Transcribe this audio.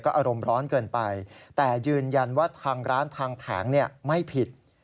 อารมณ์ร้อนเกินไปแต่ยืนยันว่าทางร้านทางแผงไม่ผิด